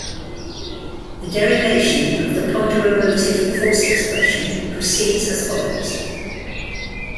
The derivation of the ponderomotive force expression proceeds as follows.